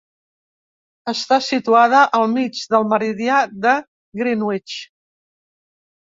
Està situada just al mig del meridià de Greenwich.